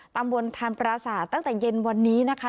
ตำบลทานปราศาสตร์ตั้งแต่เย็นวันนี้นะคะ